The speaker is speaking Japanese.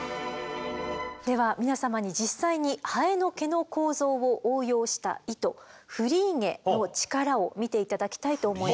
では皆様に実際にハエの毛の構造を応用した糸フリーゲの力を見て頂きたいと思います。